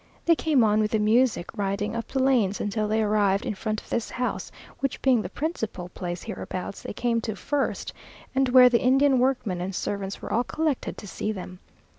They came on with music, riding up the lanes until they arrived in front of this house, which being the principal place hereabouts, they came to first, and where the Indian workmen and servants were all collected to see them.